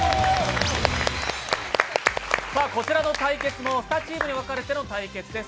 こちらの対決も２チームに分かれての対決です。